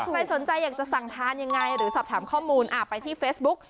ใครสนใจอยากจะสั่งทานยังไงหรือสอบถามข้อมูลไปที่เฟซบุ๊ก